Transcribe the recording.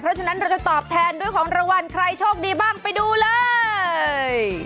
เพราะฉะนั้นเราจะตอบแทนด้วยของรางวัลใครโชคดีบ้างไปดูเลย